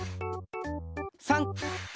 ３！